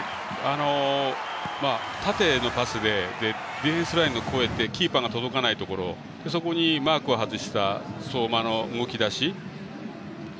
縦へのパスでディフェンスラインを越えてキーパーが届かないところそこにマークを外した相馬の動きだし。